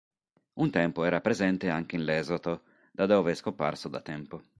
Un tempo era presente anche in Lesotho, da dove è scomparso da tempo.